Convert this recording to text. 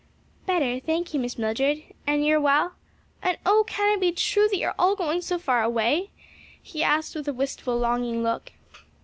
"Better, thank you, Miss Mildred. And you are well? and oh, can it be true that you are all going so far away?" he asked with a wistful, longing look.